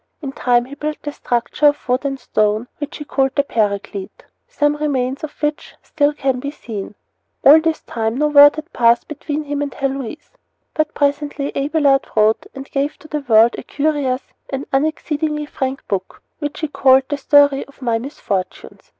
In time he built a structure of wood and stone, which he called the Paraclete, some remains of which can still be seen. All this time no word had passed between him and Heloise. But presently Abelard wrote and gave to the world a curious and exceedingly frank book, which he called The Story of My Misfortunes.